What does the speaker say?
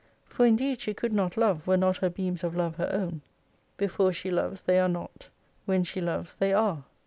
For indeed she could not love, were not her beams of love her own. Before she loves they are not, when she loves they are.